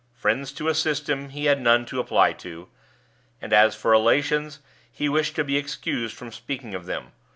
Friends to assist him, he had none to apply to; and as for relations, he wished to be excused from speaking of them.